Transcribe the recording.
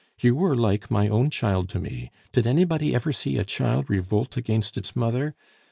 You were like my own child to me; did anybody ever see a child revolt against its mother?...